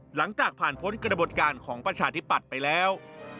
หลังจากผ่านพ้นกระบวนการของประชาธิปัตย์ไปแล้ว